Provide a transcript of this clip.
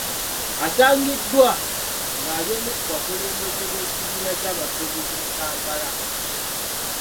Asangiddwa ng’ali omu ku bakulembeze b’ekibiina by’abasuubuzi mu Kampala.